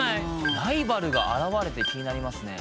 「ライバルが現れて」気になりますね。